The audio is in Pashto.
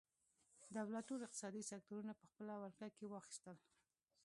دولت ټول اقتصادي سکتورونه په خپله ولکه کې واخیستل.